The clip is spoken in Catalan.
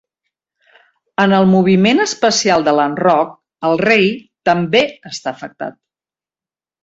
En el moviment especial de l'enroc, el rei també està afectat.